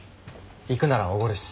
行くならおごるし。